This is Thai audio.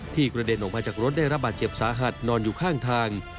กระเด็นออกมาจากรถได้รับบาดเจ็บสาหัสนอนอยู่ข้างทาง